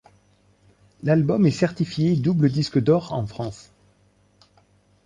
L'album est certifié double disque d'or en France.